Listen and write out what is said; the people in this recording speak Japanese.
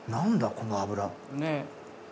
この脂。